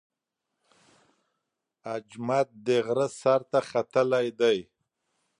اجمد د غره سر ته ختلی دی.